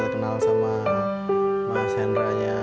terkenal sama mahendra nya